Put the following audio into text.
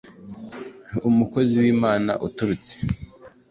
umukozi w’Imana uturutse